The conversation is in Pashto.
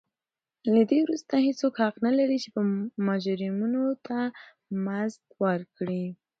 له دې وروسته هېڅوک حق نه لري چې مجرمینو ته مزد ورکړي.